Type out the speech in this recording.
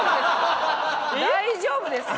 大丈夫ですか？